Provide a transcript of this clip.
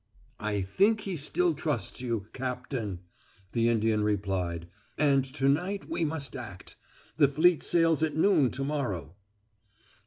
"I think he still trusts you, Cap tain," the Indian replied. "And to night we must act. The fleet sails at noon to morrow."